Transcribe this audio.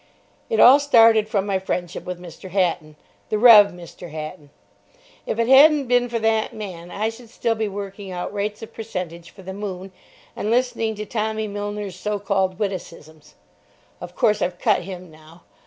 It all started from my friendship with Mr. Hatton—the Rev. Mr. Hatton. If it hadn't have been for that man I should still be working out rates of percentage for the "Moon" and listening to Tommy Milner's so called witticisms. Of course, I've cut him now.